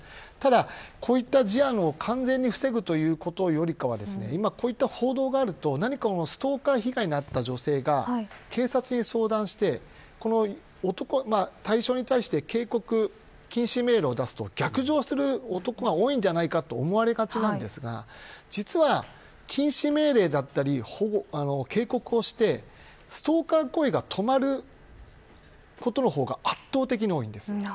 ただ、こういった事案を完全に防ぐということよりかは今、こういった報道があると何かストーカー被害に遭った女性が警察に相談して、この男対象に対して警告禁止命令を出すと逆上する男が多いんじゃないかと思われがちなんですが実は、禁止命令だったり警告をしてストーカー行為が止まることの方が圧倒的に多いんです。